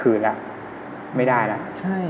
ครึ่งแล้วไม่ได้แล้ว